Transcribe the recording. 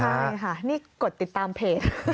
ใช่ค่ะนี่กดติดตามเพจ